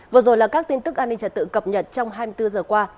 vừa rồi là các tin tức an ninh trả tự cập nhật trong hai mươi bốn h qua